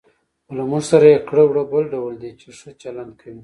خو له موږ سره یې کړه وړه بل ډول دي، چې ښه چلند کوي.